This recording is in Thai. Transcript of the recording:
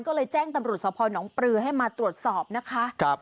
ก็เลยแจ้งตำรวจสภหนองปลือให้มาตรวจสอบนะคะ